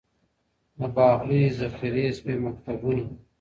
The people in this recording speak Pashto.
د باغلیو ذخیرې سوې مکتبونه .